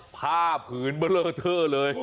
ผ้าผืนเบลอเท่าเลย